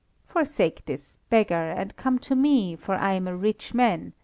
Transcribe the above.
Forsake this beggar, and come to me, for I am a rich man.